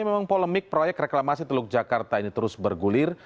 memang polemik proyek reklamasi teluk jakarta ini terus bergulir